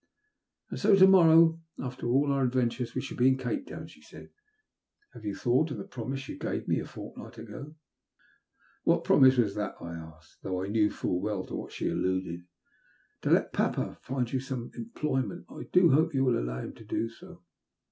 *' And so to morrow, after all our adventures, we shall be in Cape Town," she said. Have you thought of the promise you gave me a fortnight ago?" WB ABE SAVED. 218 What promise was that?'* I asked, though I knew full well to what she alluded. " To let papa find you some employment. I do hope you will allow him to do so."